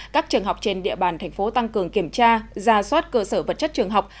các trường học trên địa bàn thành phố tăng cường kiểm tra ra soát cơ sở vật chất trường học